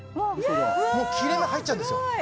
もう切れ目入っちゃうんですよ